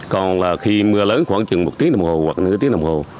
còn là khi mưa lớn khoảng chừng một tiếng đồng hồ hoặc nửa tiếng đồng hồ